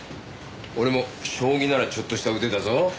俺も将棋ならちょっとした腕だぞ。